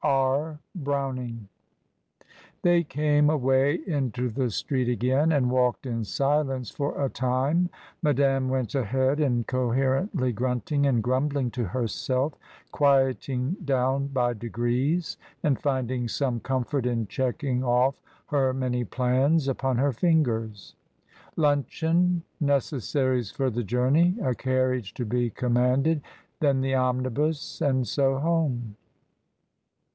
R. Browning. They came away into the street again, and walked in silence for a time. Madame went ahead, incoherently grunting and grumbling to herself, quieting down by degrees, and finding some com fort in checking off her many plans upon her fingers. "Luncheon, necessaries for the journey, a carrriage to be commanded, then the omnibus, and so home."